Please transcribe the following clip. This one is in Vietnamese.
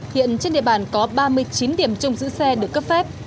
hiện trên địa bàn có ba mươi chín điểm trông giữ xe được cấp phép